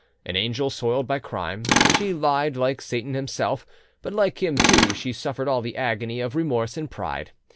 An angel soiled by crime, she lied like Satan himself, but like him too she suffered all the agony of remorse and pride.